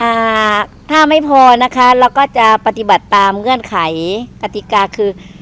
อ่าถ้าไม่พอนะคะเราก็จะปฏิบัติตามเงื่อนไขกติกาคือ